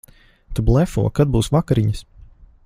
Tu blefo. Kad būs vakariņas?